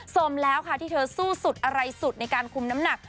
สมแล้วค่ะที่เธอสู้สุดอะไรสุดในการคุมน้ำหนัก